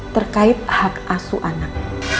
terkait hak asu anak